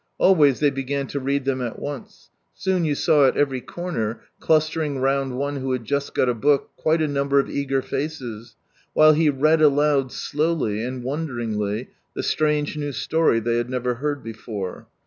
Always they began to read them at once ; soon you saw at every corner, clustering round one who had just got a book, quite a number of eager faces, while he read aloud slowly and wonderingly the strange new story they had never heard before.